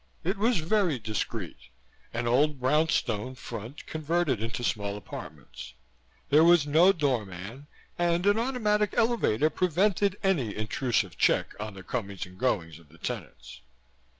It was very discreet an old brown stone front converted into small apartments. There was no door man and an automatic elevator prevented any intrusive check on the comings and goings of the tenants.